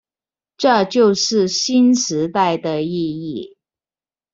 這就是新時代的意義